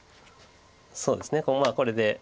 そうですねこれで。